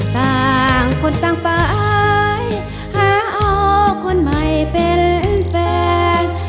ต่างคนต่างฝ่ายหาอคนใหม่เป็นแฟน